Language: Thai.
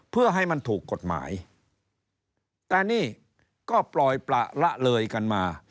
เพื่อให้มันถูกกฎหมายแต่นี่ก็ปล่อยประละเลยกันมา